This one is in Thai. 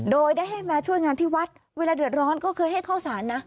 โดยได้ให้มาช่วยงานที่วัดเวลาเดือดร้อนก็เคยให้เข้าสารนะ